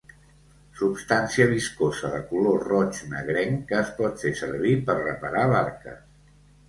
Substància viscosa de color roig negrenc que es pot fer servir per reparar barques.